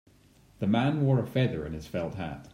The man wore a feather in his felt hat.